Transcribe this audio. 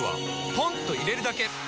ポンと入れるだけ！